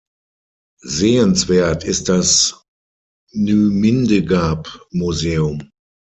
Sehenswert ist das Nymindegab-Museum.